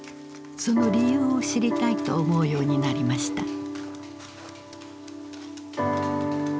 その理由を知りたいと思うようになりました。